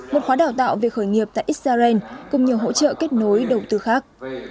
một khóa đào tạo về khởi nghiệp tại israel cùng nhiều hỗ trợ kết nối đầu tư khác